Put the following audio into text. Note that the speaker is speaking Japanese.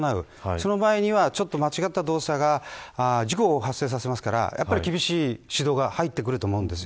その場合には、間違った動作が事故を発生させますから厳しい指導が入ってくると思います。